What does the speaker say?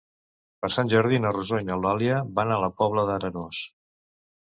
Per Sant Jordi na Rosó i n'Eulàlia van a la Pobla d'Arenós.